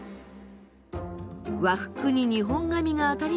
和服に日本髪が当たり前の時代。